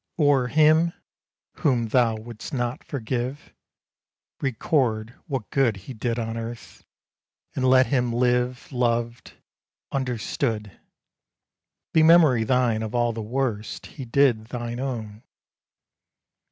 _ _O'er him, whom thou wouldst not forgive, Record what good He did on earth! and let him live Loved, understood! Be memory thine of all the worst He did thine own!